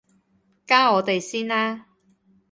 加我哋先啦